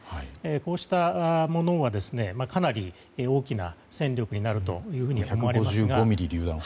こうしたものはかなり大きな戦力になると思われます。